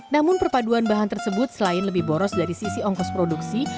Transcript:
namun perpaduan bahan tersebut selain lebih boros dari sisi ongkos produksi